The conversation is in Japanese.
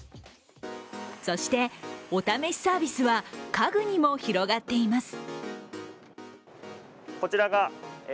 そして、お試しサービスは家具にも広がっています。